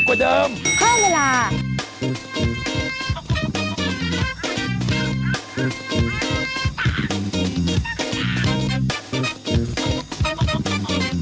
โอเคค่ะ